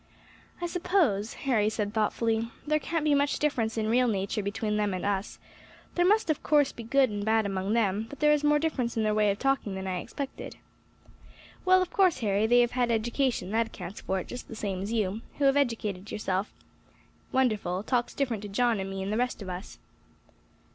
"I suppose," Harry said thoughtfully, "there can't be much difference in real nature between them and us; there must, of course, be good and bad among them; but there is more difference in their way of talking than I expected." "Well, of course, Harry; they have had education, that accounts for it; just the same as you, who have educated yourself wonderful, talks different to John and me and the rest of us."